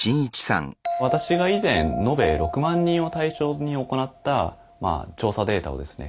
私が以前延べ６万人を対象に行なった調査データをですね